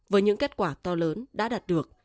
với những kết quả to lớn đã đạt được